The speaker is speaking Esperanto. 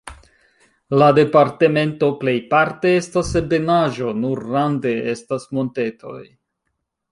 La departemento plejparte estas ebenaĵo, nur rande estas montetoj.